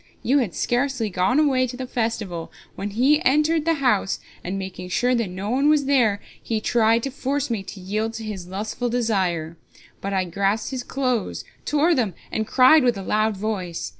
You had scarcely gone away to the festival when be entered the house, and making sure that no one was here he tried to force me to yield to his lustful desire. But I grasped his clothes, tore them, and cried with a loud voice.